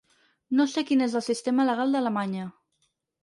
No sé quin és el sistema legal d’Alemanya.